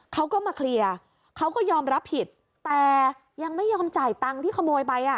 เขาก็มาเคลียร์เขาก็ยอมรับผิดแต่ยังไม่ยอมจ่ายตังค์ที่ขโมยไปอ่ะ